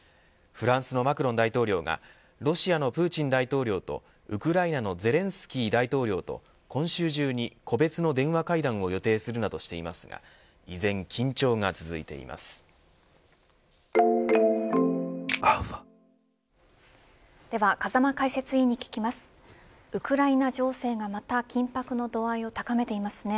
フランスのマクロン大統領はロシアのプーチン大統領とウクライナのゼレンスキー大統領と今週中に個別の電話会談を予定するなどしていますが依然、緊張が続いています。